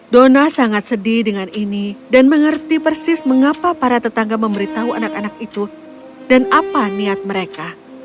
dona sangat sedih dengan ini dan mengerti persis mengapa para tetangga memberitahu anak anak itu dan apa niat mereka